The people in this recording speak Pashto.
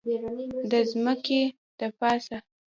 د ځمکې دپاسه